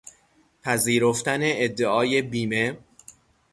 پذیرفتن ادعای بیمه